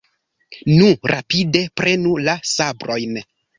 Nu, rapide, prenu la sabrojn!